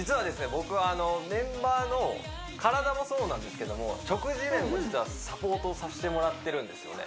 僕あのメンバーの体もそうなんですけども食事面も実はサポートをさせてもらってるんですよね